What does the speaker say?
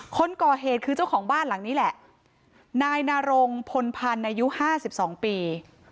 คนก่อเหตุคือเจ้าของบ้านหลังนี้แหละนายนารงพลพันธ์อายุห้าสิบสองปี